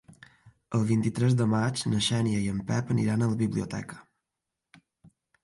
El vint-i-tres de maig na Xènia i en Pep aniran a la biblioteca.